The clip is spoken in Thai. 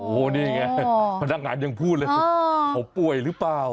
โอ้โหนี่ไงพนักงานยังพูดเลยเขาป่วยหรือเปล่า